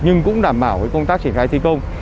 nhưng cũng đảm bảo công tác triển khai thi công